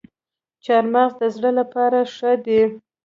چهارمغز د زړه لپاره ښه دي